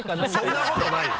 そんなことないよ！